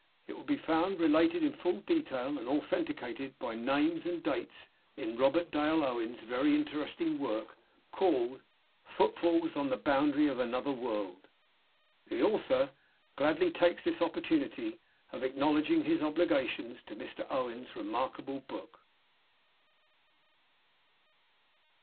It will be found related in full detail, and authenticated by names and dates, in Robert Dale Owen's very interesting work called "Footfalls on the Boundary of Another World." The author gladly takes this opportunity of acknowledging his obligations to Mr. Owen's remarkable book.